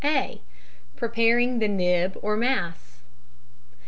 (a) _Preparing the Nib or "Mass."